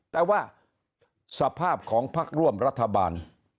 แต่ว่าสภาพของพักร่วมรัฐบาล